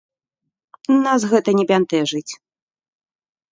Нас гэта не бянтэжыць!